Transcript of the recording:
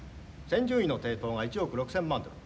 先順位の抵当が１億６，０００万ドル。